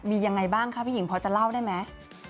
มียังไงบ้างคะพี่หญิงพอจะเล่าได้ไหม